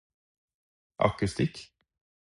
akustikk